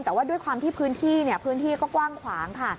แต่ว่าด้วยความที่พื้นที่พื้นที่ก็กว้างขวางค่ะ